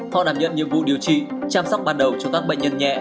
họ đảm nhận nhiệm vụ điều trị chăm sóc ban đầu cho các bệnh nhân nhẹ